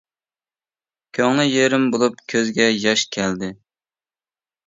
كۆڭلى يېرىم بولۇپ كۆزىگە ياش كەلدى.